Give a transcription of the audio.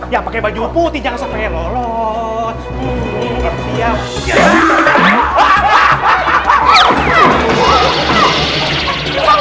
yang pakai baju putih jangan sampai lolot